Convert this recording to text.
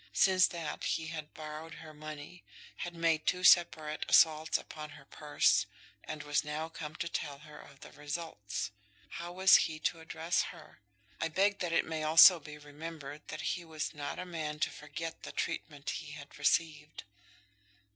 Since that he had borrowed her money, had made two separate assaults upon her purse, and was now come to tell her of the results. How was he to address her? I beg that it may be also remembered that he was not a man to forget the treatment he had received.